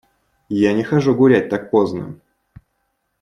Я не хожу гулять так поздно.